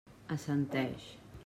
Assenteix.